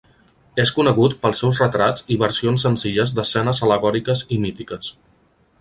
És conegut pels seus retratis i versions senzilles d'escenes al·legòriques i mítiques.